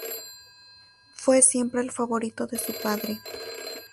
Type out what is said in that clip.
Fue siempre el favorito de su padre.